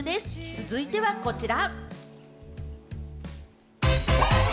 続いては、こちら。